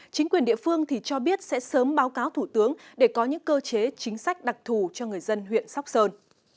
chính quyền địa phương cho biết sẽ sớm báo cáo thủ tướng để có những cơ chế chính sách đặc thù cho người dân huyện sóc sơn